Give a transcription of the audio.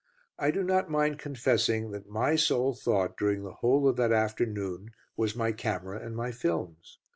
I do not mind confessing that my sole thought during the whole of that afternoon was my camera and my films.